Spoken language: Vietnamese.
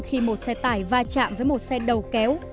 khi một xe tải va chạm với một xe đầu kéo